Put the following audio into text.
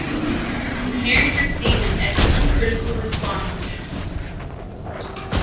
The series received an excellent critical response in France.